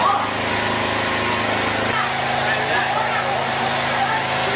อันดับที่สุดท้ายก็จะเป็น